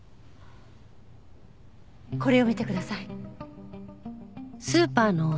これを見てください。